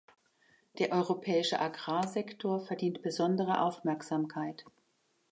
Der europäische Agrarsektor verdient besondere Aufmerksamkeit.